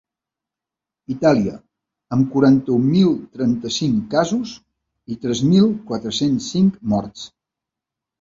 Itàlia, amb quaranta-un mil trenta-cinc casos i tres mil quatre-cents cinc morts.